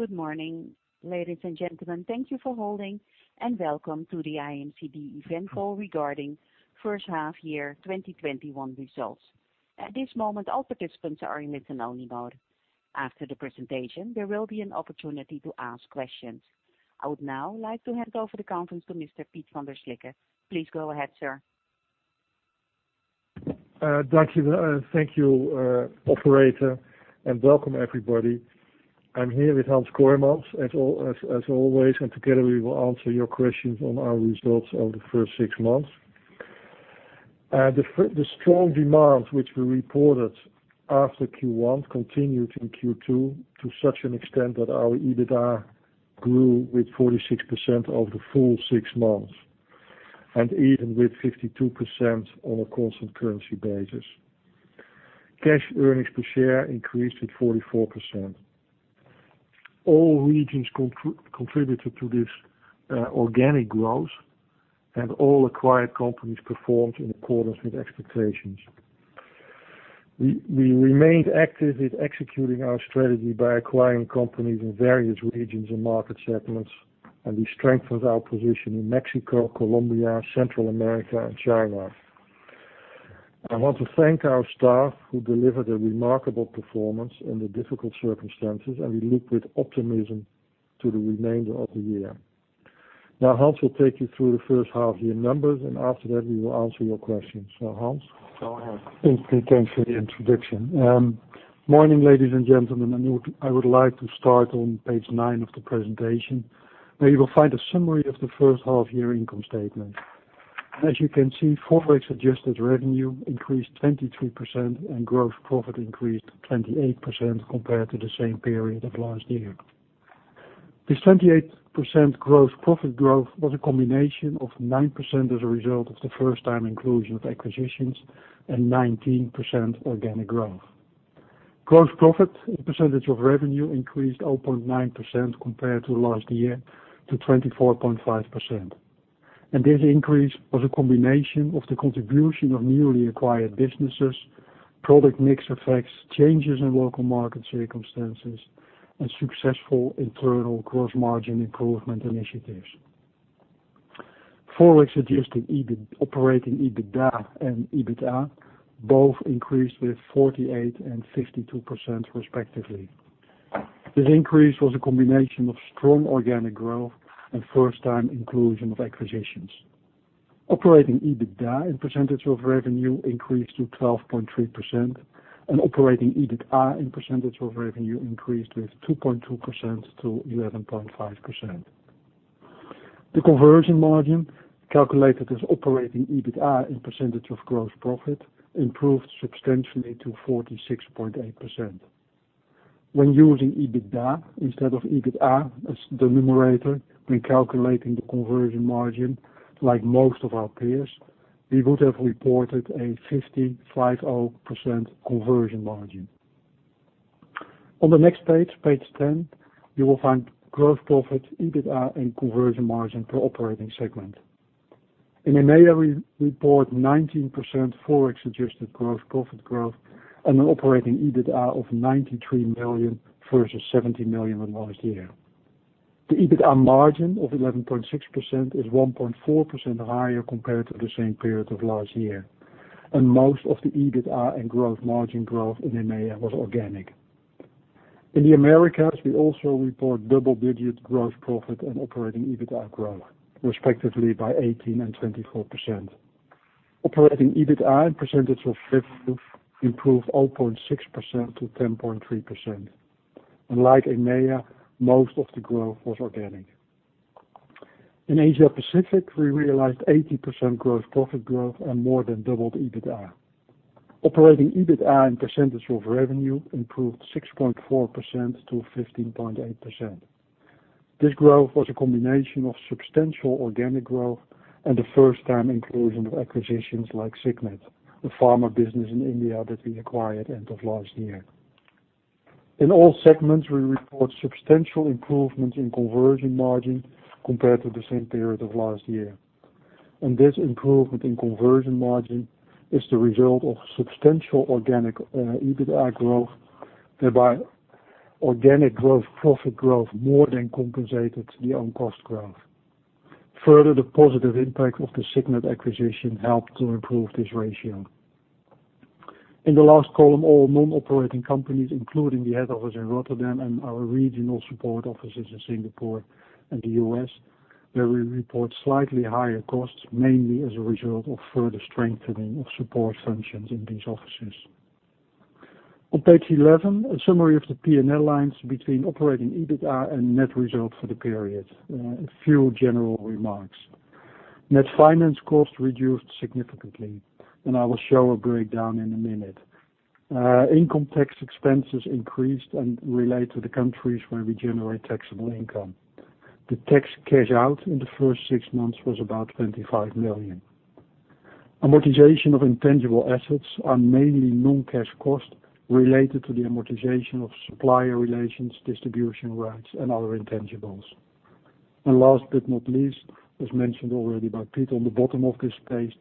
Good morning, ladies and gentlemen. Thank you for holding, and welcome to the IMCD event call regarding first half year 2021 results. At this moment, all participants are in listen-only mode. After the presentation, there will be an opportunity to ask questions. I would now like to hand over the conference to Mr. Piet van der Slikke. Please go ahead, sir. Thank you, operator, and welcome everybody. I'm here with Hans Kooijmans, as always, and together we will answer your questions on our results over the first six months. The strong demand, which we reported after Q1 continued in Q2 to such an extent that our EBITDA grew with 46% over the full six months, and even with 52% on a constant currency basis. cash earnings per share increased to 44%. All regions contributed to this organic growth, and all acquired companies performed in accordance with expectations. We remained active in executing our strategy by acquiring companies in various regions and market segments, and we strengthened our position in Mexico, Colombia, Central America, and China. I want to thank our staff, who delivered a remarkable performance in the difficult circumstances, and we look with optimism to the remainder of the year. Hans will take you through the first half year numbers, and after that we will answer your questions. So Hans? Go ahead. Thanks for the introduction. Morning, ladies and gentlemen. I would like to start on page 9 of the presentation, where you will find a summary of the first half-year income statement. As you can see, Forex-adjusted revenue increased 23% and gross profit increased 28% compared to the same period of last year. This 28% gross profit growth was a combination of 9% as a result of the first-time inclusion of acquisitions and 19% organic growth. Gross profit as a percentage of revenue increased 0.9% compared to last year to 24.5%. This increase was a combination of the contribution of newly acquired businesses, product mix effects, changes in local market circumstances, and successful internal gross margin improvement initiatives. Forex-adjusted operating EBITDA and EBITA both increased with 48% and 52% respectively. This increase was a combination of strong organic growth and first-time inclusion of acquisitions. Operating EBITDA in percentage of revenue increased to 12.3%, and operating EBITA in percentage of revenue increased with 2.2% to 11.5%. The conversion margin, calculated as operating EBITDA in percentage of gross profit, improved substantially to 46.8%. When using EBITDA instead of EBITA as the numerator when calculating the conversion margin, like most of our peers, we would have reported a 50% conversion margin. On the next page 10, you will find gross profit, EBITDA, and conversion margin per operating segment. In EMEA, we report 19% ForEx-adjusted gross profit growth and an operating EBITDA of 93 million versus 70 million last year. The EBITDA margin of 11.6% is 1.4% higher compared to the same period of last year, and most of the EBITDA and growth margin growth in EMEA was organic. In the Americas, we also report double-digit gross profit and operating EBITDA growth, respectively by 18% and 24%. Operating EBITDA in percentage of revenue improved 0.6% to 10.3%. Like EMEA, most of the growth was organic. In Asia-Pacific, we realized 80% gross profit growth and more than doubled EBITDA. Operating EBITDA in percentage of revenue improved 6.4% to 15.8%. This growth was a combination of substantial organic growth and the first-time inclusion of acquisitions like Signet, a pharma business in India that we acquired end of last year. In all segments, we report substantial improvements in conversion margin compared to the same period of last year. This improvement in conversion margin is the result of substantial organic EBITDA growth, whereby organic growth profit growth more than compensated the own cost growth. Further, the positive impact of the Signet acquisition helped to improve this ratio. In the last column, all non-operating companies, including the head office in Rotterdam and our regional support offices in Singapore and the U.S., where we report slightly higher costs, mainly as a result of further strengthening of support functions in these offices. On page 11, a summary of the P&L lines between operating EBITDA and net results for the period. A few general remarks. Net finance cost reduced significantly, and I will show a breakdown in a minute. Income tax expenses increased and relate to the countries where we generate taxable income. The tax cash out in the first six months was about 25 million. Amortization of intangible assets are mainly non-cash cost related to the amortization of supplier relations, distribution rights, and other intangibles. Last but not least, as mentioned already by Piet, on the bottom of this page,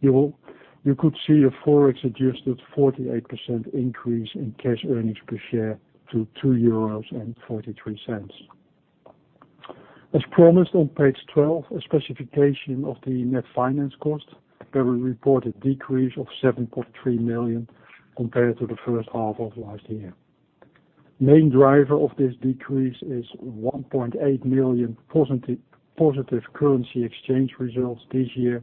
you could see a ForEx-adjusted 48% increase in cash earnings per share to 2.43 euros. As promised on page 12, a specification of the net finance cost where we report a decrease of 7.3 million compared to the first half of last year. Main driver of this decrease is 1.8 million positive currency exchange results this year,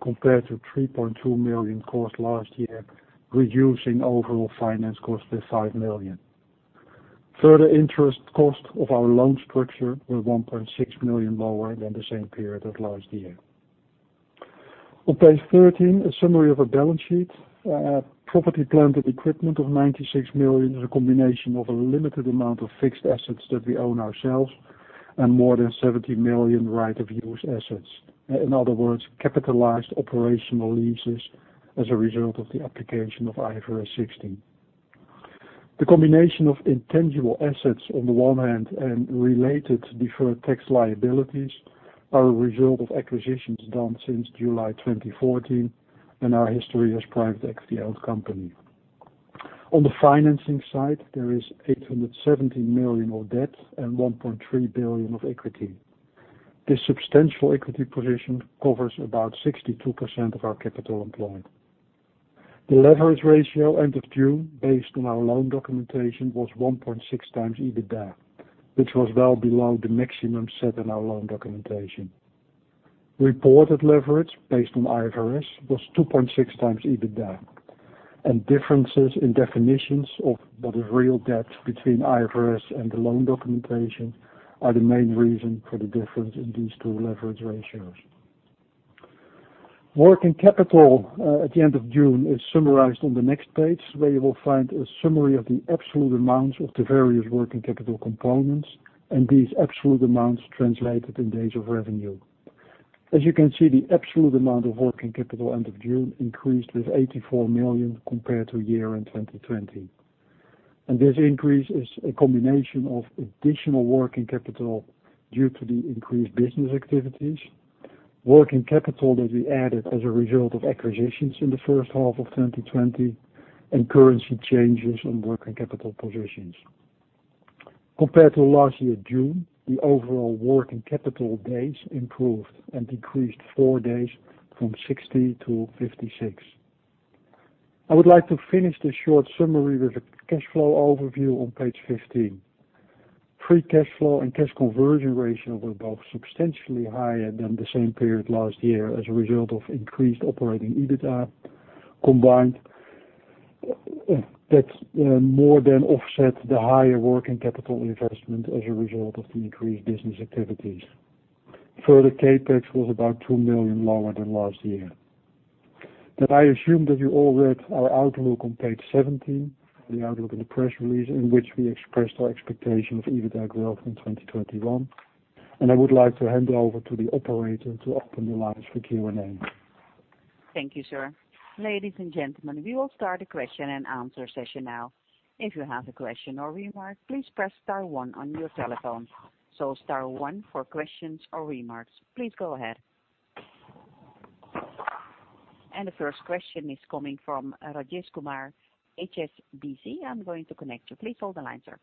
compared to 3.2 million cost last year, reducing overall finance cost to 5 million. Further interest cost of our loan structure were 1.6 million lower than the same period of last year. On page 13, a summary of our balance sheet. Property, plant and equipment of 96 million is a combination of a limited amount of fixed assets that we own ourselves and more than 70 million right of use assets. In other words, capitalized operational leases as a result of the application of IFRS 16. The combination of intangible assets on the one hand and related deferred tax liabilities are a result of acquisitions done since July 2014, and our history as private equity-owned company. On the financing side, there is 870 million of debt and 1.3 billion of equity. This substantial equity position covers about 62% of our capital employed. The leverage ratio end of June, based on our loan documentation, was 1.6 times EBITDA, which was well below the maximum set in our loan documentation. Reported leverage based on IFRS was 2.6 times EBITDA. Differences in definitions of what is real debt between IFRS and the loan documentation are the main reason for the difference in these two leverage ratios. Working capital at the end of June is summarized on the next page, where you will find a summary of the absolute amounts of the various working capital components and these absolute amounts translated in days of revenue. As you can see, the absolute amount of working capital end of June increased with 84 million compared to year-end 2020. This increase is a combination of additional working capital due to the increased business activities, working capital that we added as a result of acquisitions in the first half of 2020, and currency changes on working capital positions. Compared to last year June, the overall working capital days improved and decreased four days from 60 to 56. I would like to finish this short summary with a cash flow overview on page 15. Free cash flow and cash conversion ratio were both substantially higher than the same period last year as a result of increased operating EBITDA. Combined, that more than offset the higher working capital investment as a result of the increased business activities. CapEx was about 2 million lower than last year. I assume that you all read our outlook on page 17, the outlook in the press release in which we expressed our expectation of EBITDA growth in 2021. I would like to hand over to the operator to open the lines for Q&A. Thank you, sir. Ladies and gentlemen, we will start the question and answer session now. If you have a question or remark, please press star one on your telephone. Star one for questions or remarks. Please go ahead. The first question is coming from Rajesh Kumar, HSBC. I am going to connect you. Please hold the line, sir.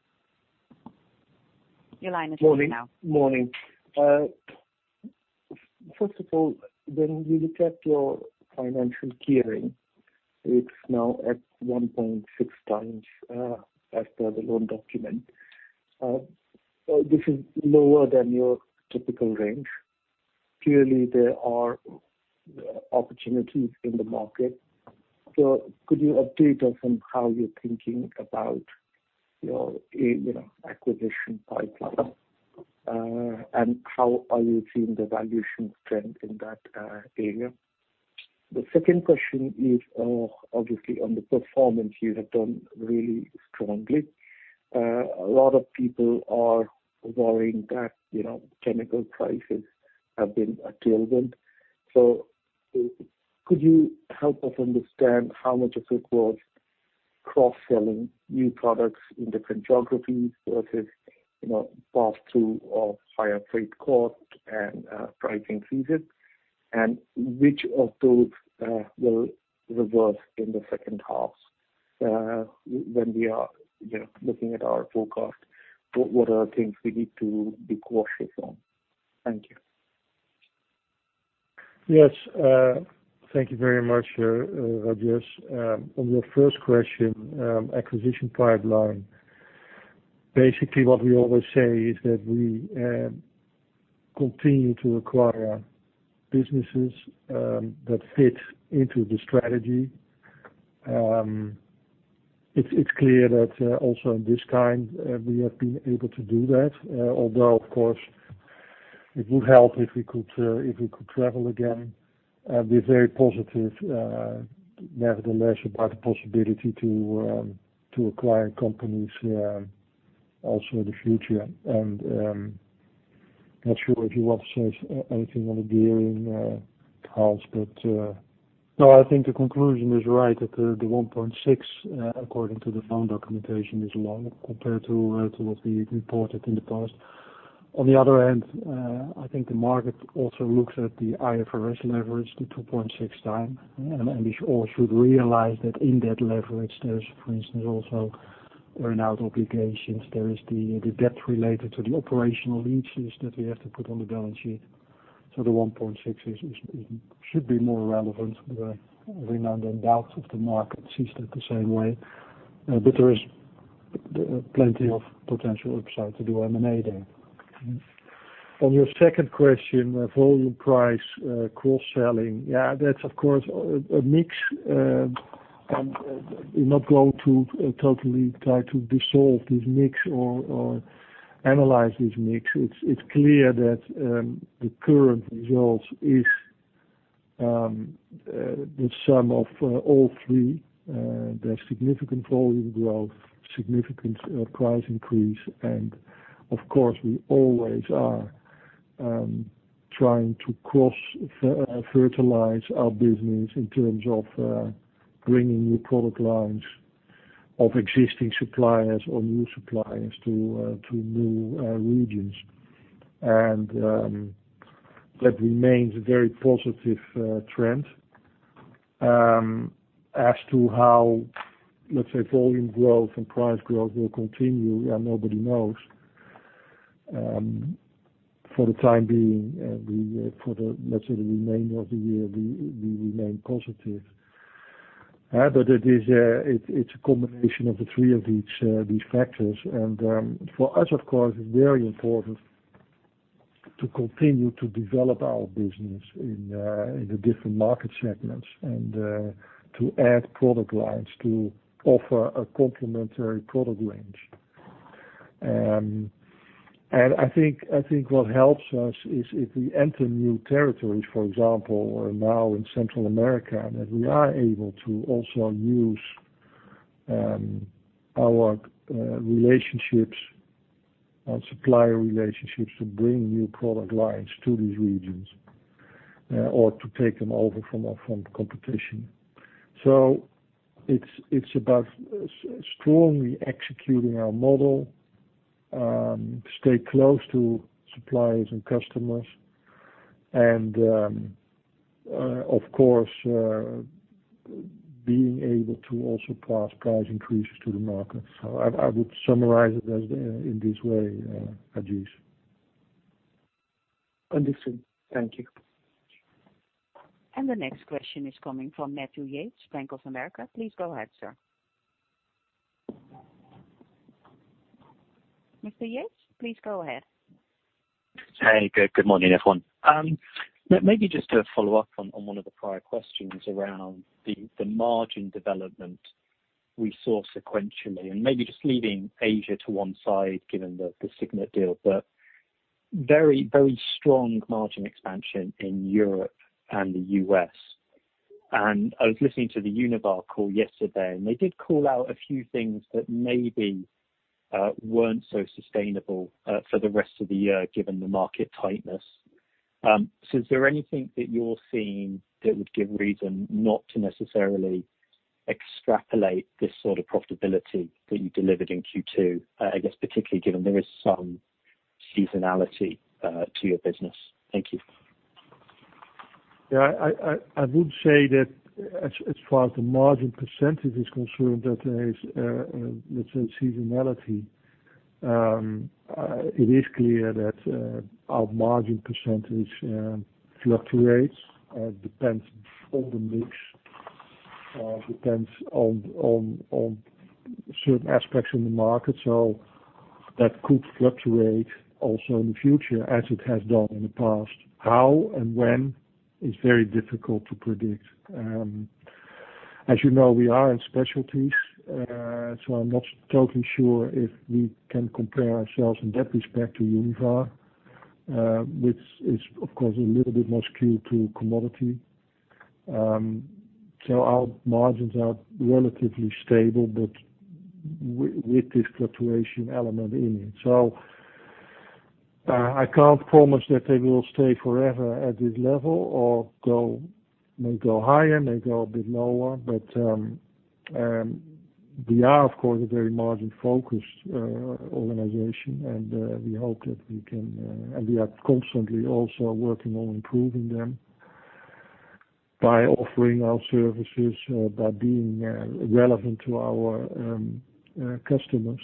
Your line is open now. Morning. First of all, when you look at your financial gearing, it is now at 1.6x, as per the loan document. This is lower than your typical range. Clearly, there are opportunities in the market. Could you update us on how you are thinking about your acquisition pipeline? How are you seeing the valuation trend in that area? The second question is, obviously on the performance you have done really strongly. A lot of people are worrying that chemical prices have been a tailwind. Could you help us understand how much of it was cross-selling new products in different geographies versus pass-through of higher freight cost and pricing season? Which of those will reverse in the second half? When we are looking at our forecast, what are things we need to be cautious on? Thank you. Yes. Thank you very much, Rajesh. On your first question, acquisition pipeline. Basically, what we always say is that we continue to acquire businesses that fit into the strategy. It's clear that also in this time, we have been able to do that. Although, of course, it would help if we could travel again. We're very positive nevertheless about the possibility to acquire companies also in the future. I'm not sure if you want to say anything on the gearing, Hans. No, I think the conclusion is right, that the 1.6, according to the loan documentation, is low compared to what we reported in the past. On the other hand, I think the market also looks at the IFRS leverage to 2.6x. We all should realize that in that leverage, there's, for instance, also earn-out obligations. There is the debt related to the operational leases that we have to put on the balance sheet. The 1.6 should be more relevant. We now have doubts if the market sees it the same way. But there is plenty of potential upside to do M&A there. On your second question, volume, price, cross-selling. Yeah, that's of course, a mix. We're not going to totally try to dissolve this mix or analyze this mix. It's clear that the current results is the sum of all three. There's significant volume growth, significant price increase, and of course, we always are trying to cross-fertilize our business in terms of bringing new product lines of existing suppliers or new suppliers to new regions. That remains a very positive trend. As to how, let's say, volume growth and price growth will continue, yeah, nobody knows. For the time being, for the rest of the remainder of the year, we remain positive. It's a combination of the three of these factors. For us, of course, it's very important to continue to develop our business in the different market segments and to add product lines to offer a complementary product range. I think what helps us is if we enter new territories, for example, or now in Central America, that we are able to also use our supplier relationships to bring new product lines to these regions or to take them over from the competition. It's about strongly executing our model, stay close to suppliers and customers, and, of course, being able to also pass price increases to the market. I would summarize it in this way, Rajesh. Understood. Thank you. The next question is coming from Matthew Yates, Bank of America. Please go ahead, sir. Mr. Yates, please go ahead. Hey. Good morning, everyone. Just to follow up on one of the prior questions around the margin development we saw sequentially, maybe just leaving Asia to one side, given the Signet deal. Very strong margin expansion in Europe and the U.S. I was listening to the Univar call yesterday, and they did call out a few things that maybe weren't so sustainable for the rest of the year, given the market tightness. Is there anything that you're seeing that would give reason not to necessarily extrapolate this sort of profitability that you delivered in Q2, I guess, particularly given there is some seasonality to your business? Thank you. Yeah, I would say that as far as the margin percentage is concerned, that there is, let's say, seasonality. It is clear that our margin percentage fluctuates. It depends on the mix, depends on certain aspects in the market. That could fluctuate also in the future, as it has done in the past. How and when is very difficult to predict. As you know, we are in specialties, so I'm not totally sure if we can compare ourselves in that respect to Univar, which is, of course, a little bit more skewed to commodity. Our margins are relatively stable, but with this fluctuation element in it. I can't promise that they will stay forever at this level or may go higher, may go a bit lower. We are, of course, a very margin-focused organization, and we are constantly also working on improving them by offering our services, by being relevant to our customers.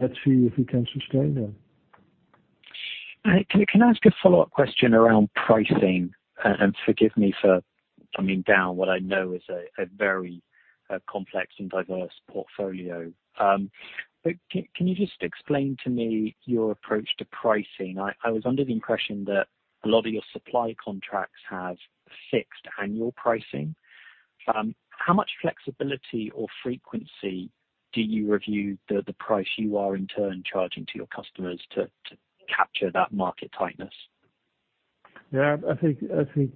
Let's see if we can sustain them. Can I ask a follow-up question around pricing? Forgive me for coming down what I know is a very complex and diverse portfolio. Can you just explain to me your approach to pricing? I was under the impression that a lot of your supply contracts have fixed annual pricing. How much flexibility or frequency do you review the price you are in turn charging to your customers to capture that market tightness? Yeah. I think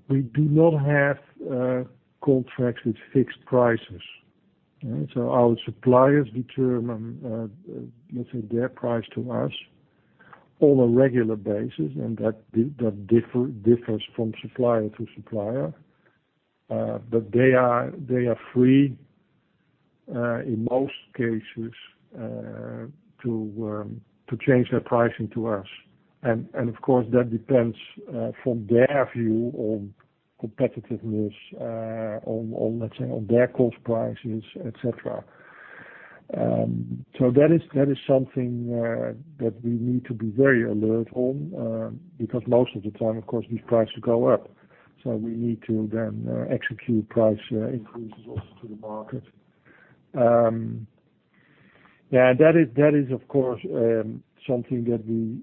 we do not have contracts with fixed prices. Our suppliers determine, let's say, their price to us on a regular basis, and that differs from supplier to supplier. They are free, in most cases, to change their pricing to us. Of course, that depends from their view on competitiveness, on, let's say, on their cost prices, et cetera. That is something that we need to be very alert on, because most of the time, of course, these prices go up. We need to then execute price increases also to the market. Yeah. That is, of course, something that we,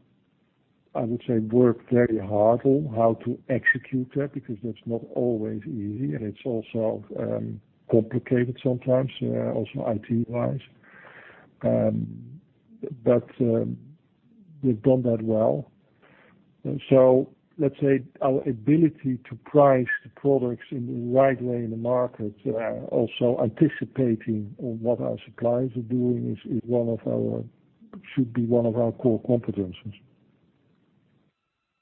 I would say, work very hard on, how to execute that, because that is not always easy and it is also complicated sometimes, also IT-wise. We've done that well. Let's say our ability to price the products in the right way in the market, also anticipating on what our suppliers are doing, should be one of our core competencies.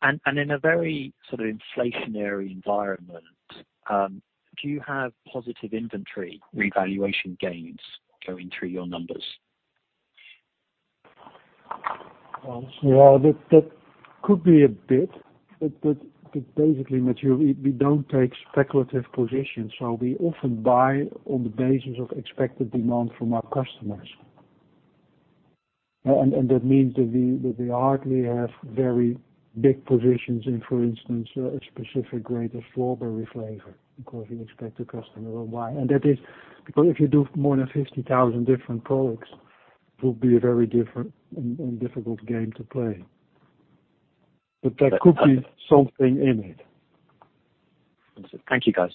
In a very inflationary environment, do you have positive inventory revaluation gains going through your numbers? Well, that could be a bit, but basically, Matthew, we don't take speculative positions, so we often buy on the basis of expected demand from our customers. That means that we hardly have very big positions in, for instance, a specific grade of strawberry flavor, because we expect the customer will buy. If you do more than 50,000 different products, it will be a very different and difficult game to play. There could be something in it. Thank you, Guys.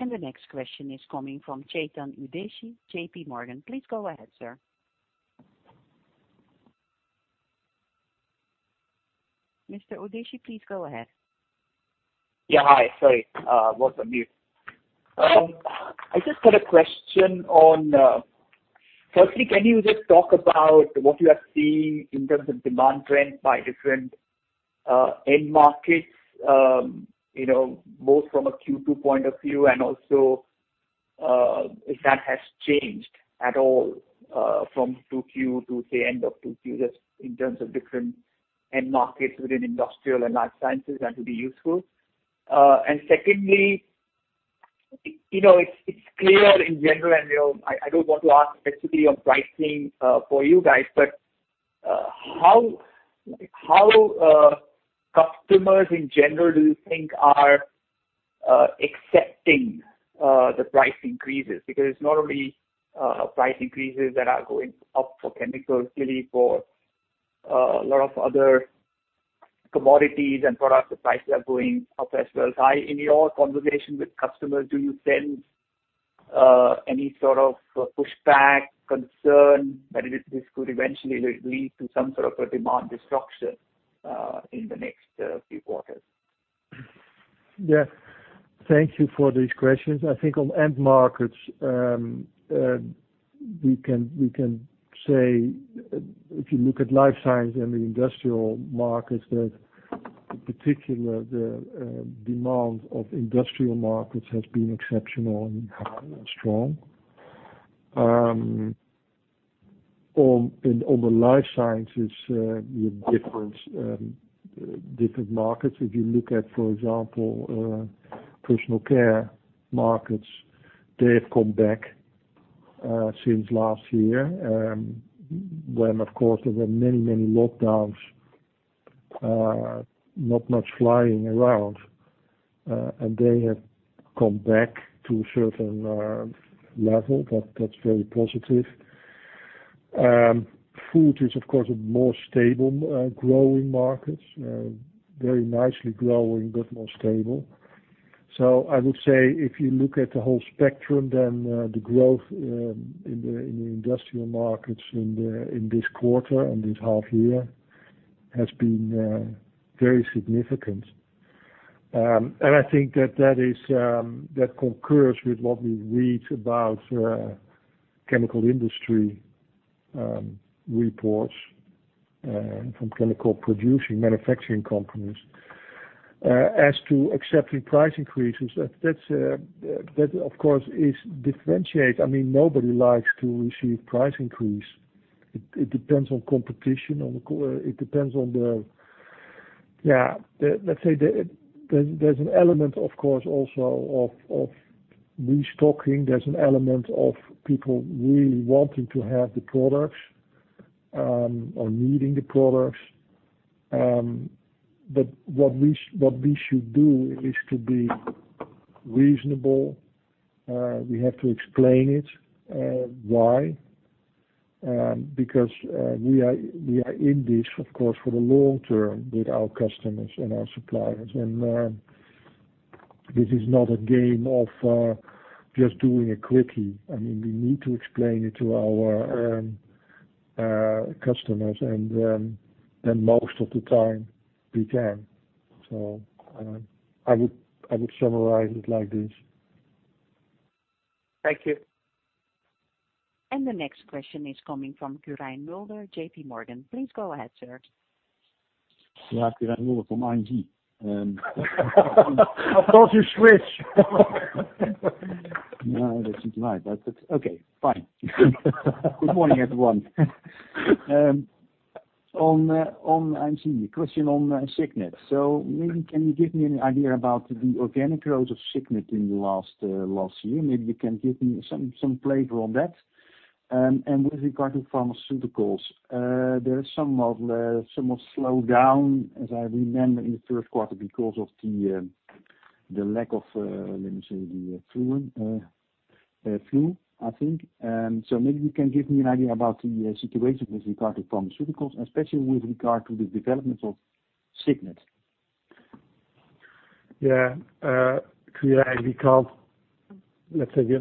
The next question is coming from Chetan Udeshi, JPMorgan. Please go ahead, sir. Mr. Udeshi, please go ahead. Yeah. Hi. Sorry. I was on mute. I just had a question on, firstly, can you just talk about what you are seeing in terms of demand trends by different end markets, both from a Q2 point of view and also, if that has changed at all from 2Q to, say, end of 2Q, just in terms of different end markets within Industrial and Life Sciences? That would be useful. Secondly, it's clear in general, and I don't want to ask specifically on pricing for you guys, but how customers in general do you think are accepting the price increases? Because it's not only price increases that are going up for chemicals. Really, for a lot of other commodities and products, the prices are going up as well. In your conversation with customers, do you sense any sort of pushback, concern that this could eventually lead to some sort of a demand destruction in the next few quarters? Yeah. Thank you for these questions. I think on end markets, we can say, if you look at Life Sciences and the Industrial markets that particular demand of Industrial markets has been exceptional and strong. On the Life Sciences, different markets. If you look at, for example, personal care markets, they have come back since last year, when, of course, there were many, many lockdowns, not much flying around. They have come back to a certain level. That's very positive. Food is, of course, a more stable growing market, very nicely growing, but more stable. I would say, if you look at the whole spectrum, then the growth in the Industrial markets in this quarter and this half year has been very significant. I think that concurs with what we read about chemical industry reports from chemical producing manufacturing companies. As to accepting price increases, that of course is differentiate. Nobody likes to receive price increase. It depends on competition. Let's say there's an element, of course, also of restocking. There's an element of people really wanting to have the products or needing the products. What we should do is to be reasonable. We have to explain it, why. We are in this, of course, for the long term with our customers and our suppliers, and this is not a game of just doing it quickly. We need to explain it to our customers, and then most of the time we can. I would summarize it like this. Thank you. The next question is coming from Quirijn Mulder, ING. Please go ahead, sir. Yeah. Quirijn Mulder from ING. Of course you switch. No, that's right. Okay, fine. Good morning, everyone. On ING. Question on Signet. Maybe can you give me an idea about the organic growth of Signet in the last year? Maybe you can give me some flavor on that. With regard to pharmaceuticals, there is some slowdown, as I remember in the first quarter because of the lack of, let me say the flu, I think. Maybe you can give me an idea about the situation with regard to pharmaceuticals, especially with regard to the development of Signet. Yeah. Quirijn,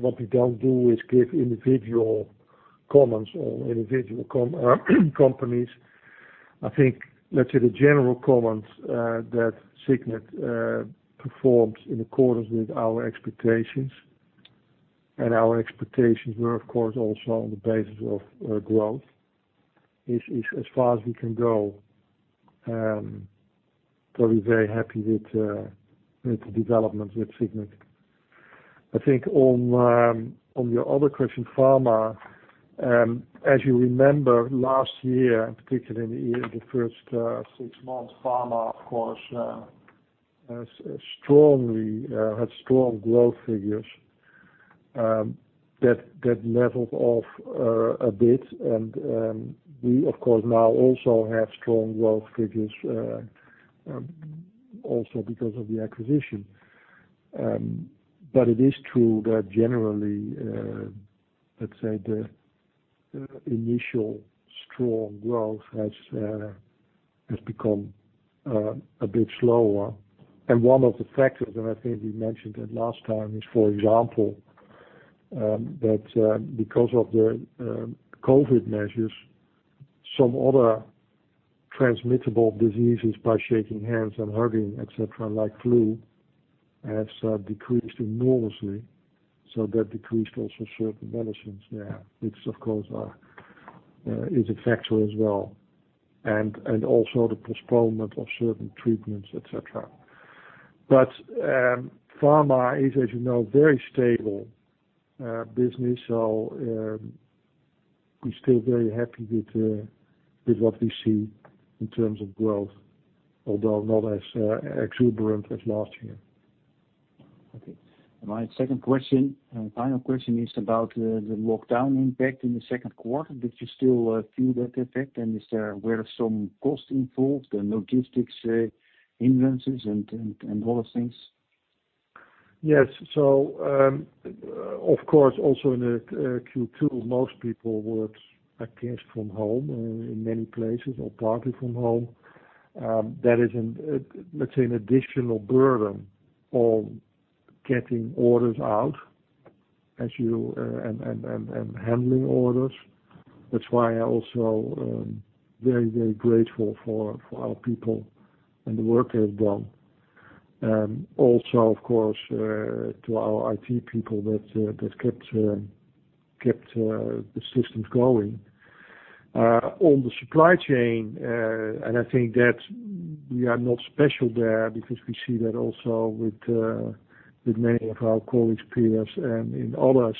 what we don't do is give individual comments on individual companies. I think, let's say the general comments, that Signet performs in accordance with our expectations. Our expectations were, of course, also on the basis of growth. Is as far as we can go. We're very happy with the developments with Signet. I think on your other question, pharma, as you remember, last year, and particularly in the first six months, pharma, of course, had strong growth figures. That leveled off a bit. We, of course, now also have strong growth figures, also because of the acquisition. It is true that generally, let's say the initial strong growth has become a bit slower. One of the factors, and I think we mentioned it last time is, for example, that because of the COVID measures, some other transmittable diseases by shaking hands and hugging, et cetera, like flu, has decreased enormously. That decreased also certain medicines there, which of course, is a factor as well. Also the postponement of certain treatments, et cetera. Pharma is, as you know, very stable business. We're still very happy with what we see in terms of growth, although not as exuberant as last year. Okay. My second question, final question is about the lockdown impact in the second quarter. Did you still feel that effect, and were there some costs involved, the logistics insurances and all those things? Yes. Of course, also in the Q2, most people worked, I guess, from home in many places or partly from home. That is, let's say, an additional burden on getting orders out and handling orders. That's why also, very, very grateful for our people and the work they've done. Also, of course, to our IT people that kept the systems going. On the supply chain, and I think that we are not special there because we see that also with many of our colleagues, peers and in other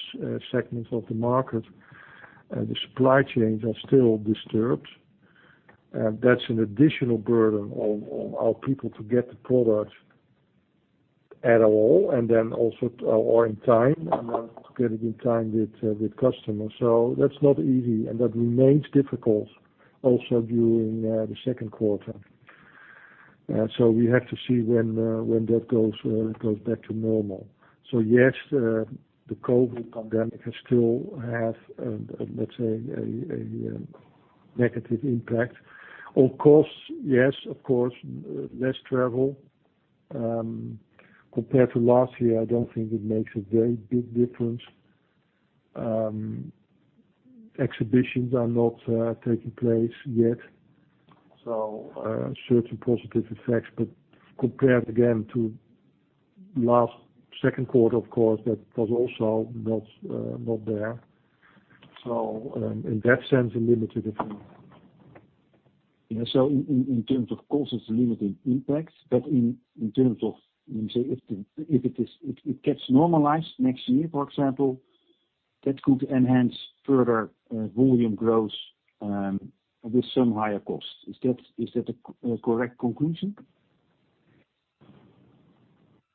segments of the market, the supply chains are still disturbed. That's an additional burden on our people to get the product at all or in time, and then to get it in time with customers. That's not easy and that remains difficult also during the second quarter. We have to see when that goes back to normal. Yes, the COVID pandemic has still have, let's say, a negative impact. On costs, yes, of course. Less travel. Compared to last year, I don't think it makes a very big difference. Exhibitions are not taking place yet. Certain positive effects. Compared again to last second quarter, of course, that was also not there. In that sense, a limited effect. Yeah. In terms of costs, it's a limited impact, but in terms of, let me say, if it gets normalized next year, for example, that could enhance further volume growth, with some higher costs. Is that a correct conclusion?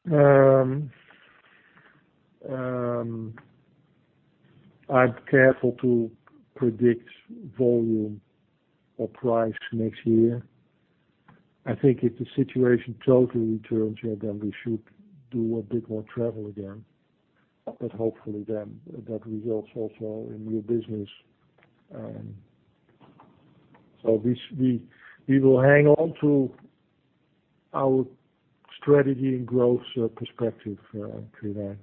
I'm careful to predict volume or price next year. I think if the situation totally returns here, then we should do a bit more travel again. Hopefully then that results also in new business. We will hang on to our strategy and growth perspective, Quirijn.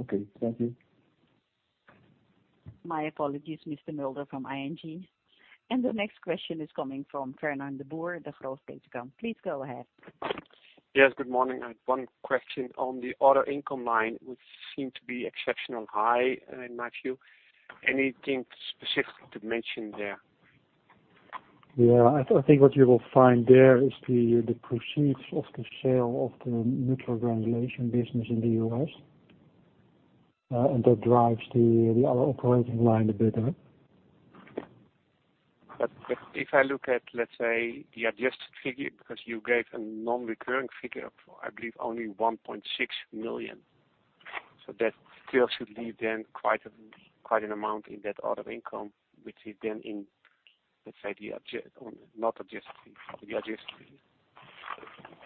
Okay. Thank you. My apologies. Mr. Mulder from ING. The next question is coming from Fernand de Boer, Degroof Petercam, please go ahead. Yes, good morning. I have one question on the other income line, which seemed to be exceptionally high, in my view. Anything specific to mention there? Yeah. I think what you will find there is the proceeds of the sale of the Nutri Granulations business in the U.S. That drives the other operating line a bit up. If I look at, let's say, the adjusted figure, because you gave a non-recurring figure of, I believe, only 1.6 million. That still should leave then quite an amount in that other income, which is then in, let's say, the not adjusted figure. The adjusted figure.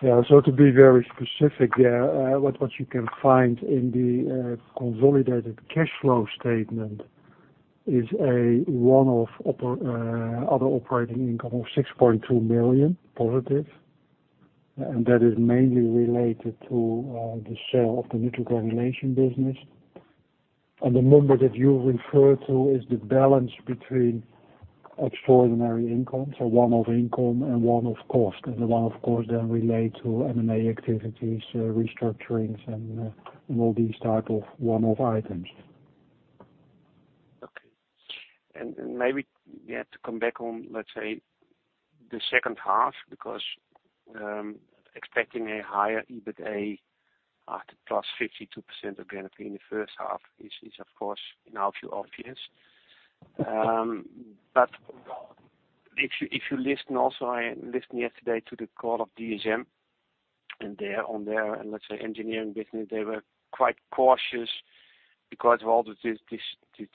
Yeah. To be very specific there, what you can find in the consolidated cash flow statement is a one-off other operating income of 6.2 million positive, and that is mainly related to the sale of the Nutri Granulations business. The number that you refer to is the balance between extraordinary income, so one-off income and one-off cost. The one-off cost then relate to M&A activities, restructurings, and all these type of one-off items. Okay. Maybe to come back on, let's say, the second half, because expecting a higher EBITA after +52% EBITDA in the first half is, of course, in our view, obvious. If you listen also, I listened yesterday to the call of DSM and on their, let's say, engineering business, they were quite cautious because of all the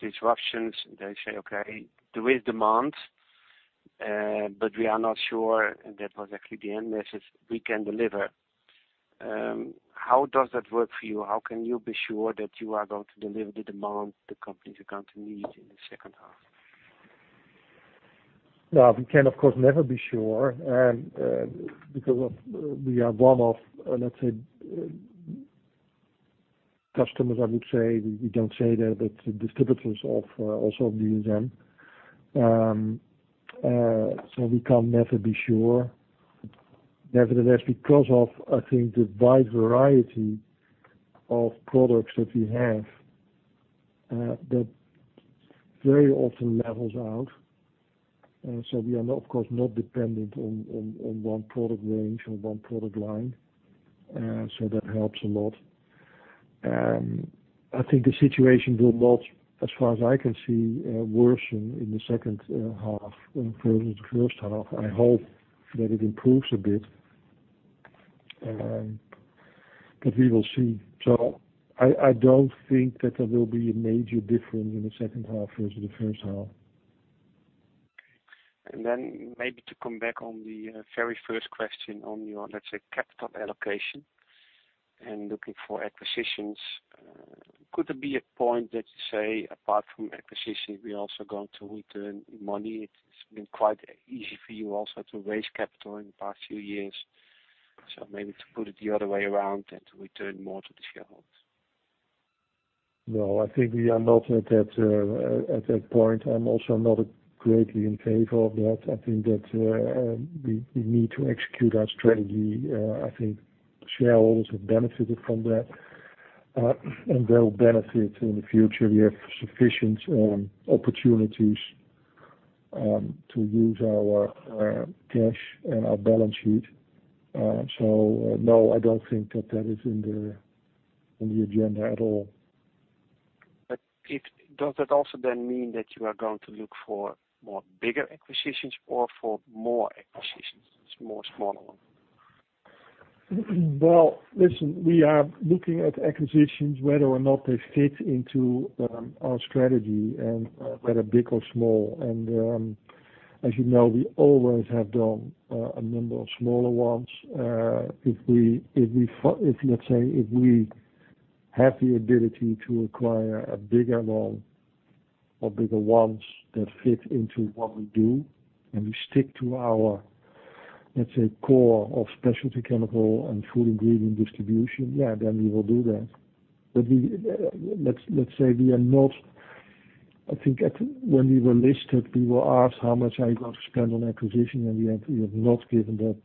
disruptions. They say, "Okay, there is demand, but we are not sure," and that was actually the end message, "we can deliver." How does that work for you? How can you be sure that you are going to deliver the demand the company needs in the second half? We can, of course, never be sure. Because of we are one of, let's say, customers, I would say, we don't say that, but distributors of also DSM. We can never be sure. Nevertheless, because of, I think, the wide variety of products that we have, that very often levels out. We are, of course, not dependent on one product range or one product line. That helps a lot. I think the situation will not, as far as I can see, worsen in the second half versus the first half. I hope that it improves a bit. We will see. I don't think that there will be a major difference in the second half versus the first half. Maybe to come back on the very first question on your, let's say, capital allocation and looking for acquisitions. Could there be a point that you say, apart from acquisition, we are also going to return money? It's been quite easy for you also to raise capital in the past few years. Maybe to put it the other way around and to return more to the shareholders. No, I think we are not at that point. I'm also not greatly in favor of that. I think that we need to execute our strategy. I think shareholders have benefited from that, and they'll benefit in the future. We have sufficient opportunities to use our cash and our balance sheet. No, I don't think that is in the agenda at all. Does that also then mean that you are going to look for more bigger acquisitions or for more acquisitions, more smaller ones? Well, listen, we are looking at acquisitions whether or not they fit into our strategy and whether big or small. As you know, we always have done a number of smaller ones. Let's say, if we have the ability to acquire a bigger one or bigger ones that fit into what we do and we stick to our, let's say, core of specialty chemical and food ingredient distribution, yeah, then we will do that. Let's say we are not. I think when we were listed, we were asked how much are you going to spend on acquisition, and we have not given that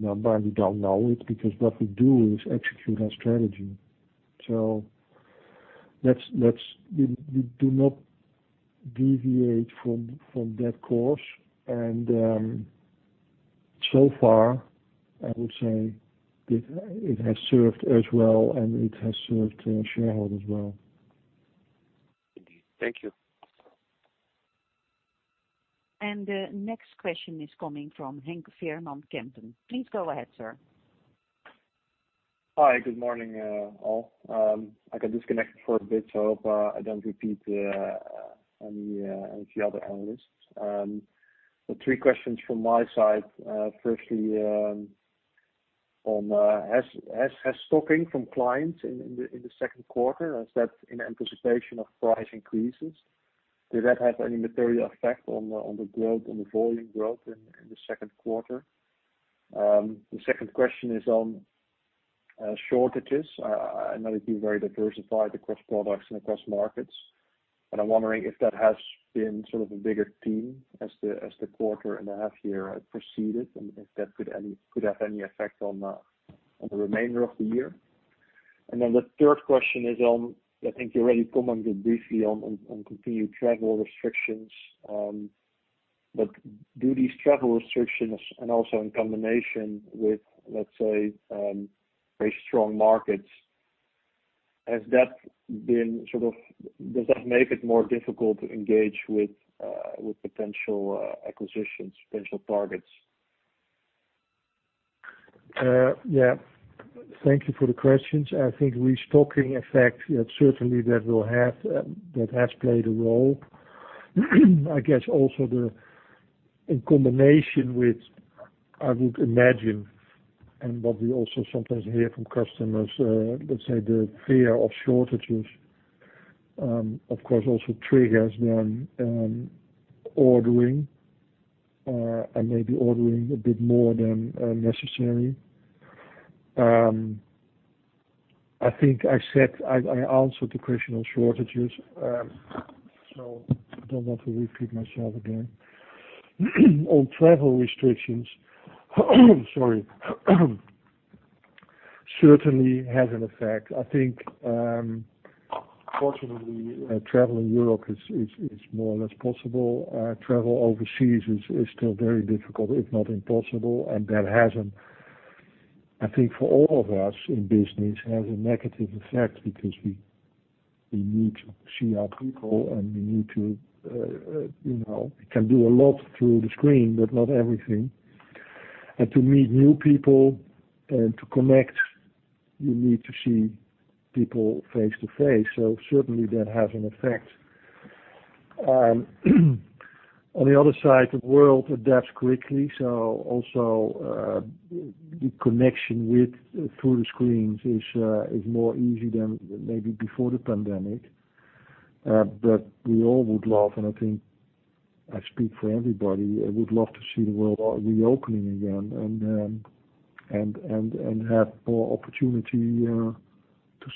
number and we don't know it, because what we do is execute our strategy. We do not deviate from that course. So far, I would say it has served us well, and it has served shareholders well. Indeed. Thank you. The next question is coming from Henk Veerman, Kempen. Please go ahead, sir. Hi, good morning, all. I got disconnected for a bit, so I hope I don't repeat any of the other analysts. Three questions from my side. Firstly, on has stocking from clients in the second quarter, is that in anticipation of price increases? Did that have any material effect on the volume growth in the second quarter? The second question is on shortages, I know you've been very diversified across products and across markets, but I'm wondering if that has been sort of a bigger theme as the quarter and a half year proceeded, and if that could have any effect on the remainder of the year. The third question is on, I think you already commented briefly on continued travel restrictions. Do these travel restrictions and also in combination with, let's say, very strong markets, does that make it more difficult to engage with potential acquisitions, potential targets? Yeah. Thank you for the questions. I think restocking effect, certainly that has played a role. I guess also in combination with, I would imagine, and what we also sometimes hear from customers, let's say the fear of shortages, of course, also triggers them ordering, and maybe ordering a bit more than necessary. I think I answered the question on shortages. I don't want to repeat myself again. On travel restrictions, sorry. Certainly has an effect. I think, fortunately, travel in Europe is more or less possible. Travel overseas is still very difficult, if not impossible. That has, I think for all of us in business, a negative effect because we need to see our people. You can do a lot through the screen, but not everything. To meet new people and to connect, you need to see people face to face. Certainly that has an effect. On the other side, the world adapts quickly. Also, the connection through the screens is more easy than maybe before the pandemic. We all would love, and I think I speak for everybody, would love to see the world reopening again and have more opportunity to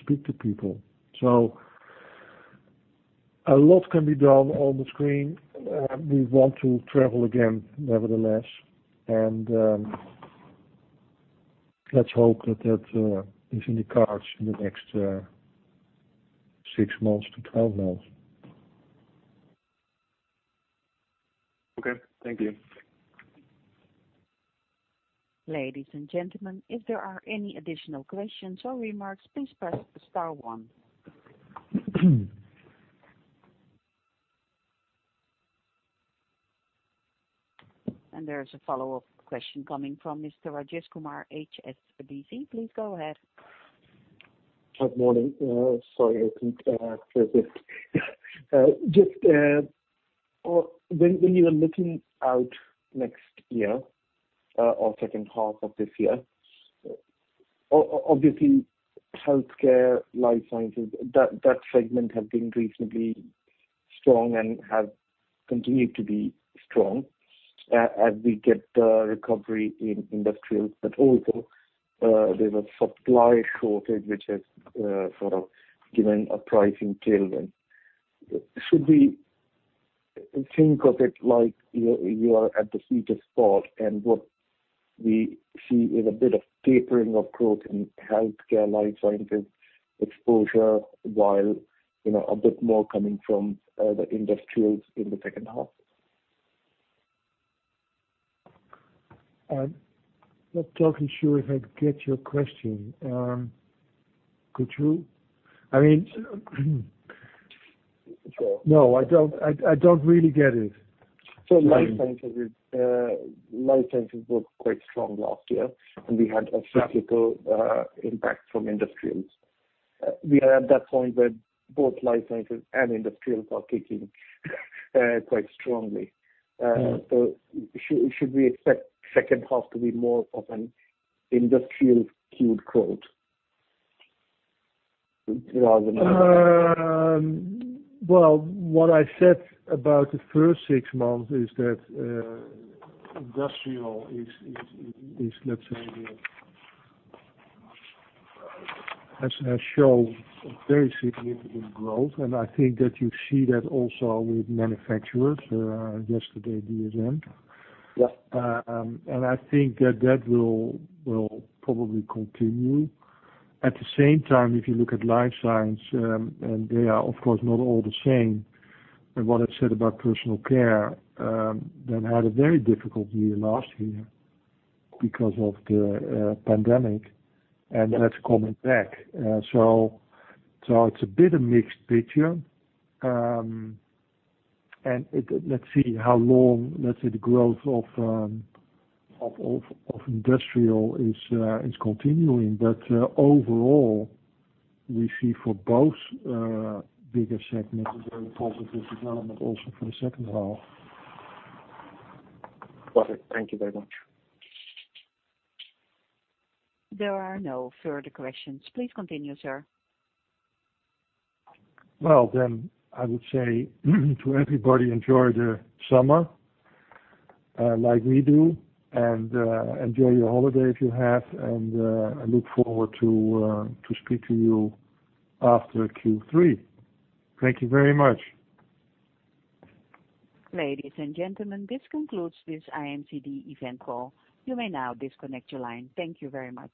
speak to people. A lot can be done on the screen. We want to travel again, nevertheless. Let's hope that that is in the cards in the next 6 months to 12 months. Okay. Thank you. Ladies and gentlemen, if there are any additional questions or remarks, please press star 1. There is a follow-up question coming from Mr. Rajesh Kumar, HSBC. Please go ahead. Good morning. Sorry I couldn't resist. Just when you are looking out next year, or second half of this year, obviously healthcare Life Sciences, that segment has been reasonably strong and has continued to be strong as we get the recovery in industrial, but also, there's a supply shortage which has sort of given a pricing tailwind. Should we think of it like you are at the sweetest spot and what we see is a bit of tapering of growth in healthcare, Life Sciences exposure while a bit more coming from the industrials in the second half? I'm not totally sure if I get your question. No, I don't really get it. Life Sciences were quite strong last year, and we had a cyclical impact from industrials. We are at that point where both Life Sciences and industrials are kicking quite strongly. Should we expect second half to be more of an industrial-skewed quote rather than? Well, what I said about the first six months is that industrial has shown very significant growth, and I think that you see that also with manufacturers, yesterday DSM. Yeah. I think that that will probably continue. At the same time, if you look at Life Sciences, and they are of course not all the same, and what I said about personal care, that had a very difficult year last year because of the pandemic, and that's coming back. It's a bit a mixed picture. Let's see how long the growth of industrial is continuing. Overall, we see for both bigger segments, a very positive development also for the second half. Got it. Thank you very much. There are no further questions. Please continue, sir. Well, I would say to everybody, enjoy the summer, like we do, and enjoy your holiday if you have. I look forward to speak to you after Q3. Thank you very much. Ladies and gentlemen, this concludes this IMCD event call. You may now disconnect your line. Thank you very much.